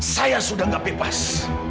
saya sudah gak bebas